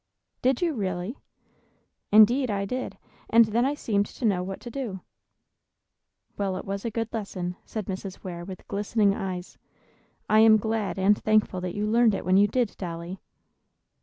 "Did you, really?" "Indeed, I did. And then I seemed to know what to do." "Well, it was a good lesson," said Mrs. Ware, with glistening eyes. "I am glad and thankful that you learned it when you did, Dolly."